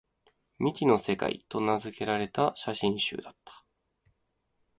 「未知の世界」と名づけられた写真集だった